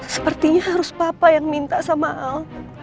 sepertinya harus papa yang minta sama al